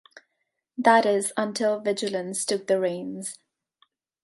That is until Vigilance took the reins.